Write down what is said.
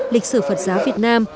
lịch sử phật giáo việt nam